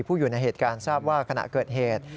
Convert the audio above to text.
อยู่ในเหตุการณ์ทราบว่าขณะเกิดเหตุ